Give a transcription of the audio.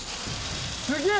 すげえ！